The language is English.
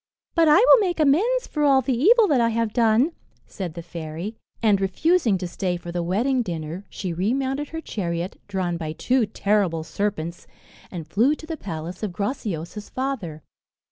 "But I will make amends for all the evil that I have done," said the fairy; and, refusing to stay for the wedding dinner, she remounted her chariot, drawn by two terrible serpents, and flew to the palace of Graciosa's father.